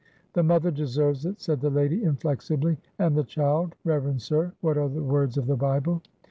"The mother deserves it," said the lady, inflexibly "and the child Reverend sir, what are the words of the Bible?"